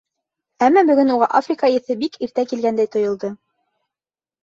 Әммә бөгөн уға Африка еҫе бик иртә килгәндәй тойолдо.